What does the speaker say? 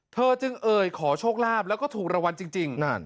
เธอจึงเอ่ยขอโชคลาภแล้วก็ถูกรางวัลจริง